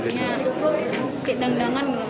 dia di dendangan